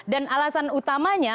dan alasan utamanya